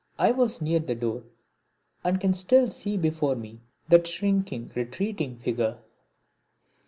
I was near the door and can still see before me that shrinking, retreating figure.